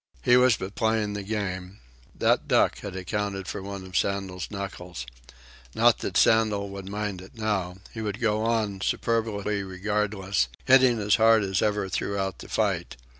He was but playing the game. That duck had accounted for one of Sandel's knuckles. Not that Sandel would mind it now. He would go on, superbly regardless, hitting as hard as ever throughout the fight.